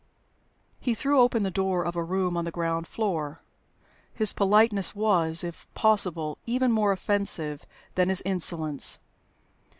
He threw open the door of a room on the ground floor. His politeness was (if possible) even more offensive than his insolence.